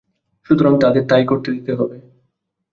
সুতরাং তাদের তাই করতে দিতে হবে।